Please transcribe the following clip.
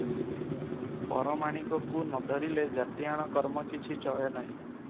ପରମାଣିକ କୁ ନ ଧରିଲେ ଜାତିଆଣ କର୍ମ କିଛି ଚଳେ ନାହିଁ ।